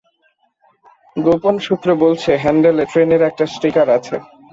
গোপন সূত্র বলছে হ্যান্ডেলে ট্রেনের একটা স্টিকার আছে।